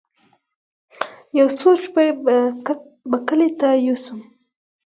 يو څو شپې به کلي ته يوسم.